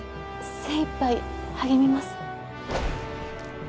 精いっぱい励みます。